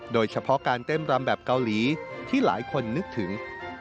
โดยเฉพาะการเต้นรำแบบเกาหลีที่หลายคนนึกถึง